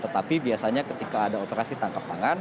tetapi biasanya ketika ada operasi tangkap tangan